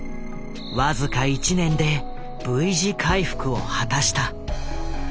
僅か１年でＶ字回復を果たした。